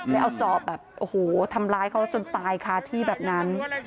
เลยเอาจอบแบบโอ้โหทำร้ายเขาจนตายคาที่แบบนั้น